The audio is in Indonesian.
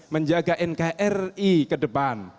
menjaga nkri ke depan